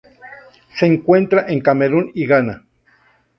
Se encuentra en Camerún y Ghana.